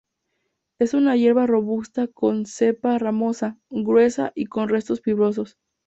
Es una hierba robusta con cepa ramosa, gruesa y con restos fibrosos.